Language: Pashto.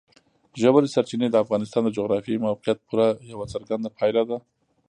ژورې سرچینې د افغانستان د جغرافیایي موقیعت پوره یوه څرګنده پایله ده.